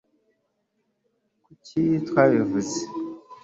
kuki twabivuze